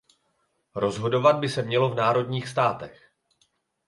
Rozhodovat by se mělo v národních státech.